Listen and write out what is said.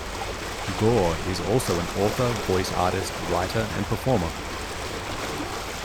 Gorr is also an author, voice artist, writer and performer.